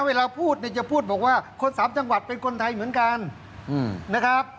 เวลาพูดเนี่ยจะพูดบอกว่าคนสามจังหวัดเป็นคนไทยเหมือนกันนะครับ